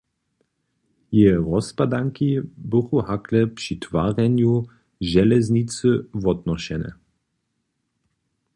Jeje rozpadanki buchu hakle při twarjenju železnicy wotnošene.